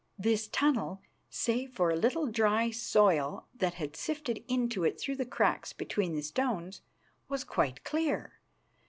This tunnel, save for a little dry soil that had sifted into it through the cracks between the stones, was quite clear.